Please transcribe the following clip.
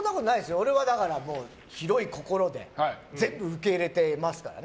俺は広い心で全部受け入れてますからね。